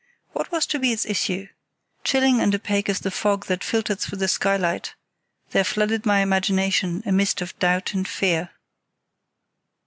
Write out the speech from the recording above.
What was to be its issue? Chilling and opaque as the fog that filtered through the skylight there flooded my imagination a mist of doubt and fear.